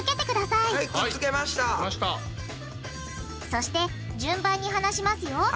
そして順番に離しますよ。